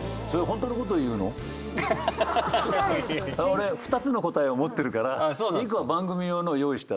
俺２つの答えを持ってるから。